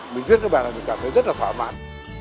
mình viết cái bài là mình cảm thấy rất là khỏa mạn